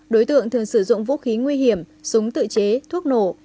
đối tượng thường sử dụng vũ khí nguy hiểm súng tự chế thuốc nổ